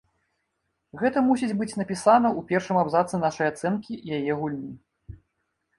Гэта мусіць быць напісана ў першым абзацы нашай ацэнкі яе гульні.